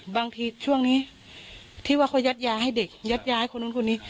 บางทีช่วงนี้ที่ว่าเขายัดยาให้เด็กยัดยาคนนู้นคนนี้